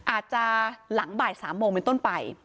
อาจจะหลังบ่าย๓โมงเป็นต้นไป